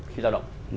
khi lao động